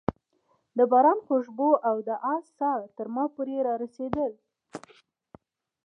د باران خوشبو او د آس ساه تر ما پورې رارسېدل.